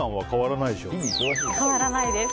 変わらないです。